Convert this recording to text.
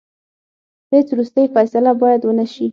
هیڅ وروستۍ فیصله باید ونه سي.